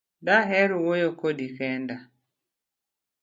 Daher wuoyo Kodi kendi